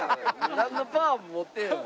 なんのパワーも持ってへんわ。